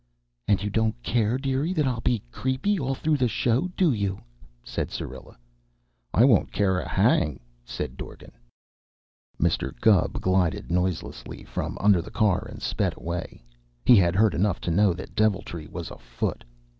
"And you don't care, dearie, that I'll be creepy all through the show, do you?" said Syrilla. "I won't care a hang," said Dorgan. Mr. Gubb glided noiselessly from under the car and sped away. He had heard enough to know that deviltry was afoot.